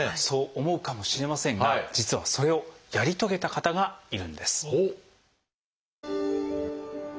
そう思うかもしれませんが実はそれをやり遂げた方がいるんです。